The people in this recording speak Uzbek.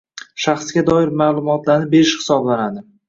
shaxsga doir ma’lumotlarni berish hisoblanadi.